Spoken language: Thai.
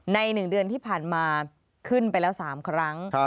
ใน๑เดือนที่ผ่านมาขึ้นไปแล้ว๓ครั้ง